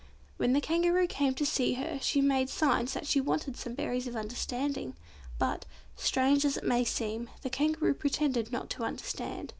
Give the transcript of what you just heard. When the Kangaroo came to see her she made signs that she wanted some berries of understanding, but, strange as it may seem, the Kangaroo pretended not to understand.